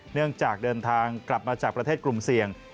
เนื่องจากเดินทางกลับมาจากประเทศกลุ่มเสี่ยง